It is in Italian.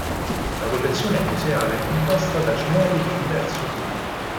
La collezione museale è composta da cimeli di diverso tipo.